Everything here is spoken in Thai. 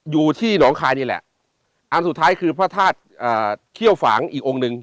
อยู่ที่หนองคายนี่แหละอันสุดท้ายคือพระธาตุอ่าเขี้ยวฝางอีกองค์หนึ่ง